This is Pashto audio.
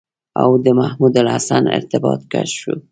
او د محمودالحسن ارتباط کشف شو.